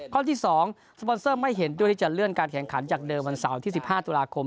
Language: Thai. ข้อที่๒สปอนเซอร์ไม่เห็นด้วยที่จะเลื่อนการแข่งขันจากเดิมวันเสาร์ที่๑๕ตุลาคม